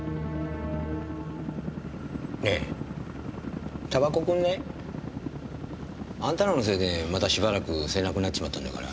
ねぇタバコくんない？あんたらのせいでまたしばらく吸えなくなっちまったんだから。